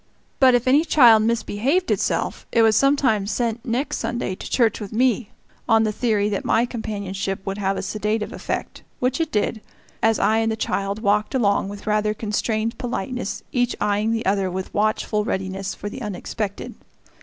But if any child misbehaved itself, it was sometimes sent next Sunday to church with me, on the theory that my companionship would have a sedative effect which it did, as I and the child walked along with rather constrained politeness, each eying the other with watchful readiness for the unexpected.